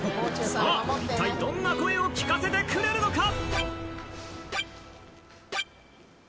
さあ一体どんな声を聞かせてくれるのか？